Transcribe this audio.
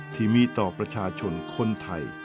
ที่มีต่อประชาชนคนไทย